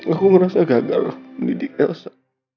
aku merasa gagal mendidik elsa